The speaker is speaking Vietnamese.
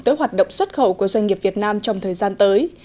tới hoạt động xuất khẩu của doanh nghiệp việt nam trong thời gian tới